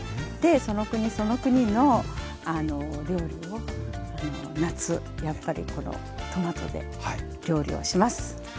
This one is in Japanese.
その国その国のルールを夏やっぱりこのトマトで料理をします。